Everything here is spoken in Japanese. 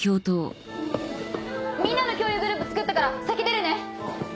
みんなの共有グループ作ったから先出るね！